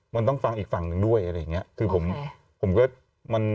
มันต้องฟังอีกฝั่งอย่างหนึ่งด้วย